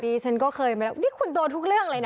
ฉันก็เคยมาแล้วนี่คุณโดนทุกเรื่องเลยนะ